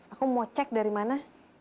aku mau cek dari mana